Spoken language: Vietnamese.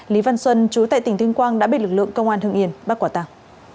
lý văn xuân trú tại tỉnh thương quang đã bị lực lượng công an hương yên bắt quả tàng